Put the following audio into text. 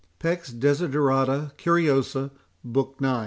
—Peck's Desiderata Curiosa, Book ix.